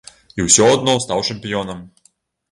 І ўсё адно стаў чэмпіёнам.